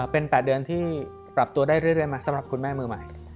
เป็น๘เดือนที่ปรับตัวได้เรื่อยมาสำหรับคุณแม่มือใหม่